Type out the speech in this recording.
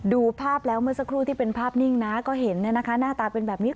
ดูภาพแล้วเมื่อสักครู่ที่เป็นภาพนิ่งนะก็เห็นหน้าตาเป็นแบบนี้